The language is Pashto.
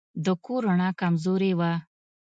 د کور رڼا کمزورې وه.